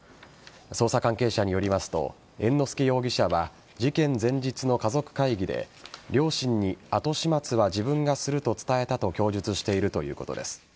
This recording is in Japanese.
捜査関係者によりますと猿之助容疑者は事件前日の家族会議で両親に後始末は自分がすると伝えたと供述しているということです。